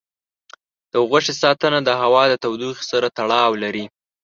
د غوښې ساتنه د هوا د تودوخې سره تړاو لري.